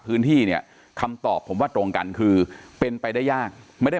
พื้นที่เนี่ยคำตอบผมว่าตรงกันคือเป็นไปได้ยากไม่ได้